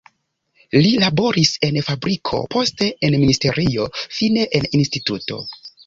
Li laboris en fabriko, poste en ministerio, fine en instituto.